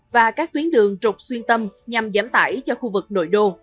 và các tuyến đường trục xuyên tâm nhằm giảm tải cho khu vực nội đô